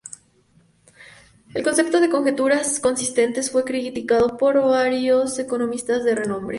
El concepto de conjeturas consistentes fue criticado por varios economistas de renombre.